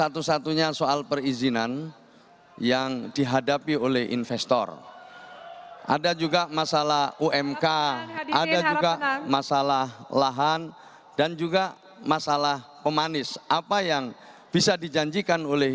tetapi banyak yang tidak